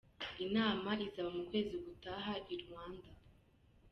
Inama izaba mu kwezi gutaha i Luanda.